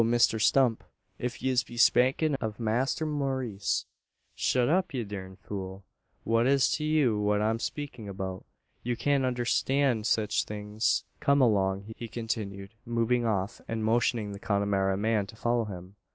Misther Stump. If yez be spakin' av Masther Maurice " "Shut up, ye durned fool! What is't to you what I'm speakin' beout? You can't unnerstan sech things. Kum along!" he continued, moving off, and motioning the Connemara man to follow him.